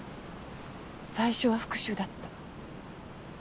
最初は復讐だった。